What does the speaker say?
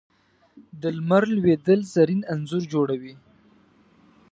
د لمر لوېدل زرین انځور جوړوي